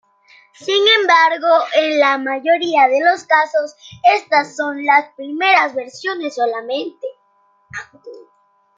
Sin embargo, en la mayoría de los casos, estas son las primeras versiones solamente.